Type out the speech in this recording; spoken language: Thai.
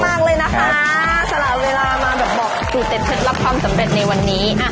สำหรับเวลามาแบบบอกสูตรเต็ดรับความสำเร็จในวันนี้